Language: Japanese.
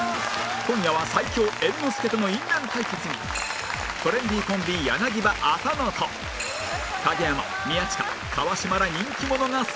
今夜は最強猿之助との因縁対決にトレンディーコンビ柳葉浅野と影山宮近川島ら人気者が参戦！